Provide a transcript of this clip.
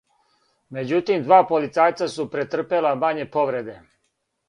Међутим, два полицајца су претрпела мање повреде.